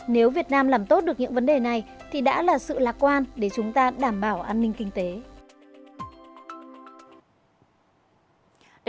nếu việt nam làm tốt được những vấn đề này thì đã là sự lạc quan để chúng ta đảm bảo an ninh kinh tế